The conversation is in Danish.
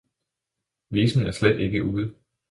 Visen er slet ikke ude!